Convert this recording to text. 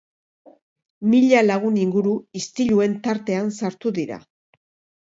Mila lagun inguru istiluen tartean sartu dira.